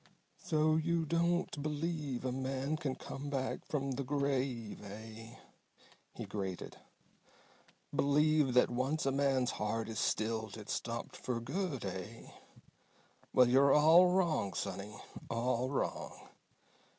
"So you don't believe a man can come back from the grave, eh?" he grated. "Believe that once a man's heart is stilled it's stopped for good, eh? Well, you're all wrong, sonny. All wrong!